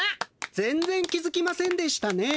全ぜん気づきませんでしたね。